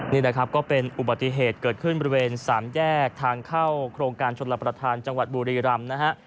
นี่นะครับก็เป็นอุบัติเหตุเกิดขึ้นบริเวณสามแยกทางเข้าโครงการชนรับประทานจังหวัดบุรีรำนะฮะ